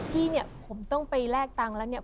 พี่เนี่ยผมต้องไปแลกตังค์แล้วเนี่ย